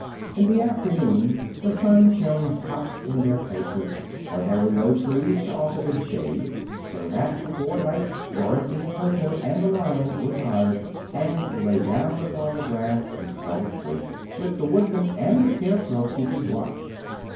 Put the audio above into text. In the afternoon the sun shone hot in their faces, for there were no trees to offer them shade; so that before night Dorothy and Toto and the Lion were tired, and lay down upon the grass and fell asleep, with the Woodman and the Scarecrow keeping watch.